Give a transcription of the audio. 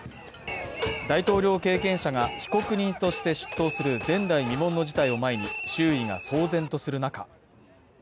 大統領経験者が被告人として出頭する前代未聞の事態を前に、周囲が騒然とする中